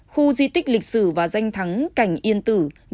khu di tích lịch sử và danh thắng cảnh yên tử là một tỷ đồng